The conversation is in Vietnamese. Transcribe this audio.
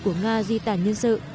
của nga di tản nhân sự